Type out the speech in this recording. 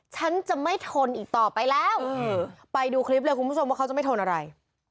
ฉันจะไม่ทนอีกต่อไปแล้วไปดูคลิปเลยคุณผู้ชมว่าเขาจะไม่ทนอะไร